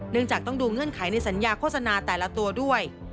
จากต้องดูเงื่อนไขในสัญญาโฆษณาแต่ละตัวด้วย